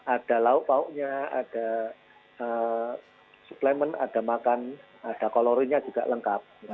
ada lauk lauknya ada suplemen ada makan ada kolorinnya juga lengkap